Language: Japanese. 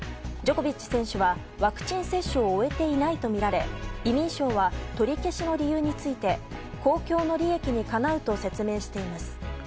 ジョコビッチ選手はワクチン接種を終えていないとみられ、移民相は取り消しの理由について公共の利益にかなうと説明しています。